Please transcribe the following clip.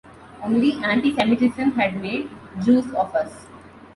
Only anti-Semitism had made Jews of us.